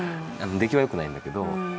出来は良くないんだけど。